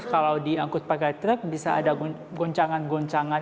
kalau diangkut pakai trak bisa ada guncangan guncangan